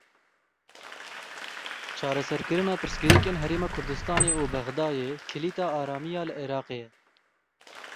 Çareserkirina pirsgirêkên Herêma Kurdistanê û Bexdayê kilîta aramiya li Iraqê ye.